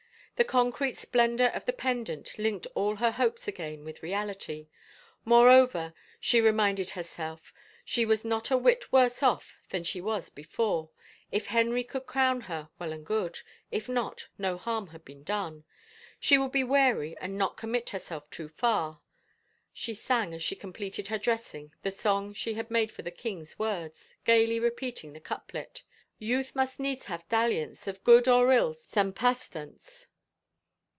The concrete splendor of the pendant linked all her hopes again with reality. Moreover, she re minded herself, she was not a whit worse off than she was before — if Henry could crown her, well and good ; if not, no harm had been done. She would be wary and not commit herself too far. She sang as she completed her dressing the song she had made for the king's words, gayly repeating the couplet. Youth must needs have dalliance Of good or ill some pastance.